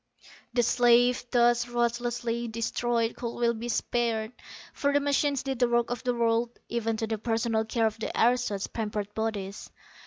_ _The slaves thus ruthlessly destroyed could well be spared, for the machines did the work of the world, even to the personal care of the aristos' pampered bodies.